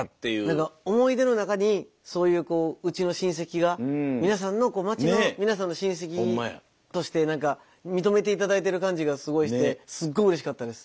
何か思い出の中にそういうこううちの親戚が皆さんのこう町の皆さんの親戚として何か認めて頂いてる感じがすごいしてすごいうれしかったです。